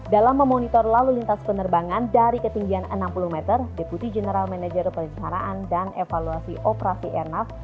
dalam memonitor lalu lintas penerbangan dari ketinggian enam puluh meter deputi general manager perencanaan dan evaluasi operasi airnav